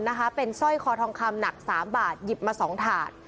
ถ้าเป็นสร้อยคอทองคำหนัก๓บาทหยิบมา๒ถาด